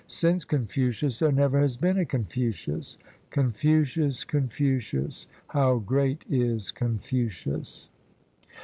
Since Confucius there never has been a Confucius! Confucius! Confucius! How great is Confucius!